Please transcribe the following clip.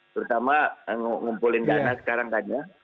terutama ngumpulin dana sekarang kan ya